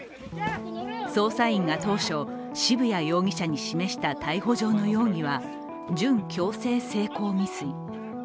捜査員が当初、渋谷容疑者に示した逮捕状の容疑は準強制性交未遂。